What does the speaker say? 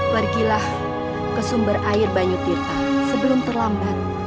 pergilah ke sumber air banyu tirta sebelum terlambat